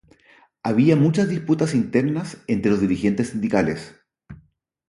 Había muchas disputas internas entre los dirigentes sindicales.